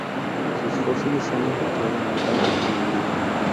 Sus fósiles se han encontrado en Italia y Hungría.